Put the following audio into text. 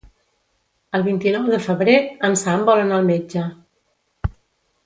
El vint-i-nou de febrer en Sam vol anar al metge.